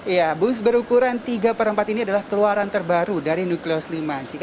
ya bus berukuran tiga perempat ini adalah keluaran terbaru dari nukleus lima jika